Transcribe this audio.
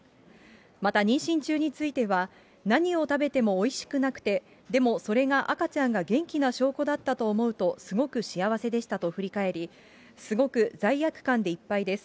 また、妊娠中については、何を食べてもおいしくなくて、でも、それが赤ちゃんが元気な証拠だったと思うと、すごく幸せでしたと振り返り、すごく罪悪感でいっぱいです。